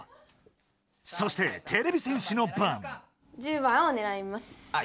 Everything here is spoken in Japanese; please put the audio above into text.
そしててれび戦士の番。